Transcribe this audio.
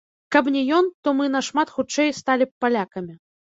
Каб не ён, то мы нашмат хутчэй сталі б палякамі.